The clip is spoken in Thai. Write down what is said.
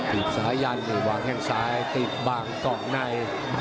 ตีบซ้ายั่นหว่างแข้งซ้ายตีบบางกล่องใน